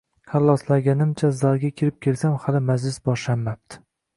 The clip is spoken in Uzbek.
Halloslaganimcha zalga kirib kelsam hali majlis boshlanmabdi